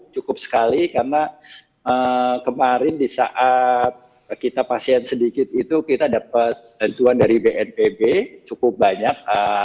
cukup sekali karena kemarin di saat kita pasien sedikit itu kita dapat tentuan dari bnpb cukup banyak